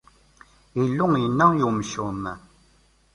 Illu yenna i umcum.